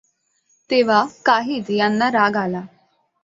तेव्हा काहीद यांना राग आला.